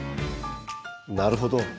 なるほど。